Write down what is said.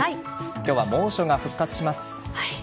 今日は猛暑が復活します。